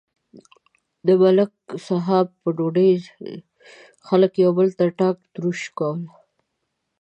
د ملک صاحب په ډوډۍ خلک یو بل ته ټاک تروش کول.